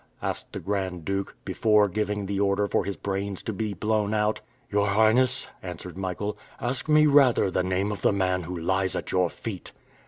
asked the Grand Duke, before giving the order for his brains to be blown out. "Your Highness," answered Michael, "ask me rather the name of the man who lies at your feet!"